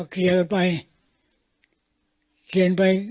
ยกไว้ได้ยังไง